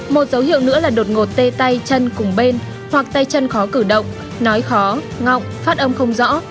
một dấu hiệu nữa là đột ngột tê tay chân cùng bên hoặc tay chân khó cử động nói khó ngọng phát âm không rõ